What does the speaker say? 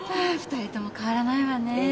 ２人とも変わらないわね。